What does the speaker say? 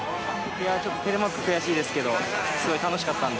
ちょっとテレマークは悔しいですけど、すごく楽しかった。